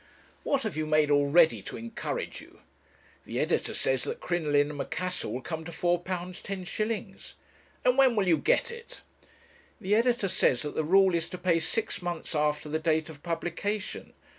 What have you made already to encourage you?' 'The editor says that 'Crinoline and Macassar' will come to £4 10s.' 'And when will you get it?' 'The editor says that the rule is to pay six months after the date of publication.